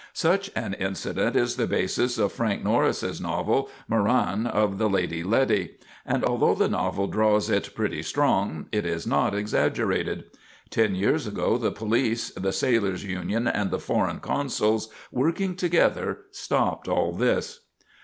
Such an incident is the basis of Frank Norris's novel, "Moran of the Lady Letty," and although the novel draws it pretty strong, it is not exaggerated. Ten years ago the police, the Sailors' Union, and the foreign consuls, working together, stopped all this.